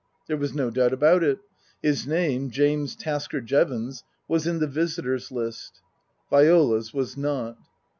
There was no doubt about it ; his name, James Tasker Jevons, was in the visitors' list. Viola's was not.